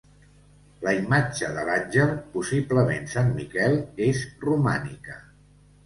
La imatge de l'àngel, possiblement Sant Miquel, és romànica.